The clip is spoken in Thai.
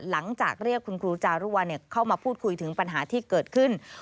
หลังจากเรียกคุณครูจารุวัลเข้ามาพูดคุยถึงปัญหาที่เกิดขึ้น